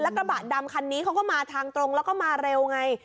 กระบะดำคันนี้เขาก็มาทางตรงแล้วก็มาเร็วไง